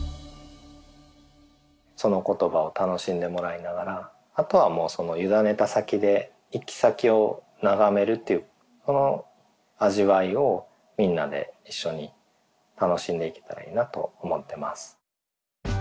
その言葉を楽しんでもらいながらあとはもうゆだねた先で行き先を眺めるっていうこの味わいをみんなで一緒に楽しんでいけたらいいなと思ってます。